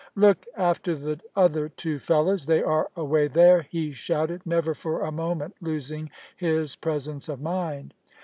"Look after the other two fellows. They are away there," he shouted, never for a moment losing his presence of mind.